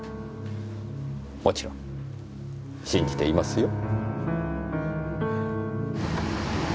もちろん信じていますよ。